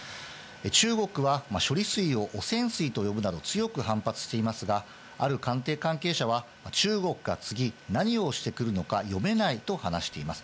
中国は処理水を汚染水と呼ぶなど、強く反発していますが、ある官邸関係者は、中国が次、何をしてくるのか、読めないと話しています。